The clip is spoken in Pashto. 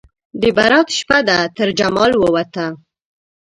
د برات شپه ده ترجمال ووته